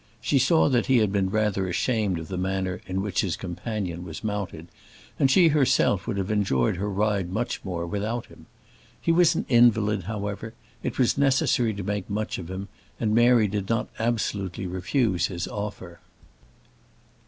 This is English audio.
She saw that he had been rather ashamed of the manner in which his companion was mounted, and she herself would have enjoyed her ride much more without him. He was an invalid, however; it was necessary to make much of him, and Mary did not absolutely refuse his offer.